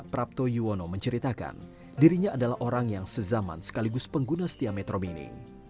prapto yuwono menceritakan dirinya adalah orang yang sezaman sekaligus pengguna setia metro mini